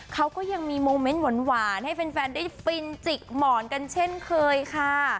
เขาก็ยังมีโมเมนต์หวานให้แฟนได้ฟินจิกหมอนกันเช่นเคยค่ะ